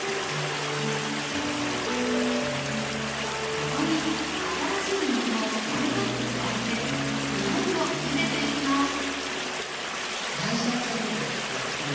ここに新しい水を４カップ加えていよいよゆでていきますお！